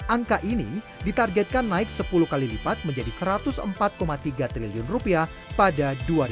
angka ini ditargetkan naik sepuluh kali lipat menjadi satu ratus empat tiga triliun rupiah pada dua ribu dua puluh